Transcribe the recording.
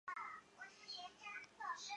嘉靖四年担任广东惠州府知府。